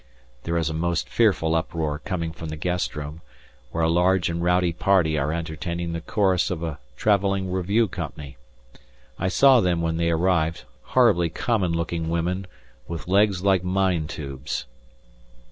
There is a most fearful uproar coming from the guest room, where a large and rowdy party are entertaining the chorus of a travelling revue company. I saw them when they arrived, horribly common looking women, with legs like mine tubes.